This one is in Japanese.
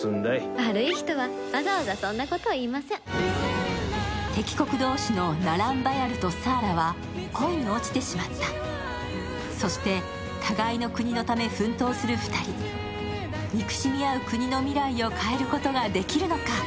悪い人はわざわざそんなこと言いません敵国同士のナランバヤルとサーラは恋に落ちてしまったそして互いの国のため奮闘する２人憎しみ合う国の未来を変えることができるのか？